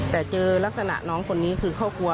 แต่เจอลักษณะน้องคนนี้คือเขากลัว